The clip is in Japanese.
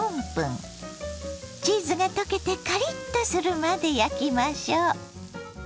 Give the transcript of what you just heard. チーズが溶けてカリッとするまで焼きましょ。